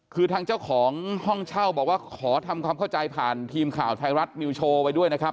คือทางเจ้าของห้องเช่าบอกว่าขอทำความเข้าใจผ่านทีมข่าวไทยรัฐนิวโชว์ไว้ด้วยนะครับ